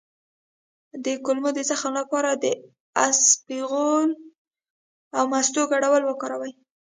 د کولمو د زخم لپاره د اسپغول او مستو ګډول وکاروئ